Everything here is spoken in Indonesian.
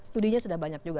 studinya sudah banyak juga